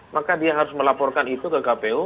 maka dia harus melaporkan itu ke kpu